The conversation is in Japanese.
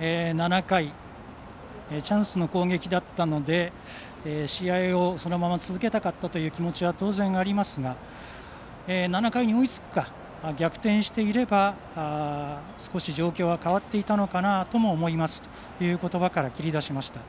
７回、チャンスの攻撃だったので試合をそのまま続けたかったという気持ちは当然、ありますが７回に追いつくか逆転していれば、少し状況は変わっていたのかなとも思いますということばから切り出しました。